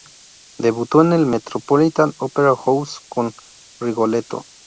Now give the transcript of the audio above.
Debutó en el Metropolitan Opera House, con "Rigoletto".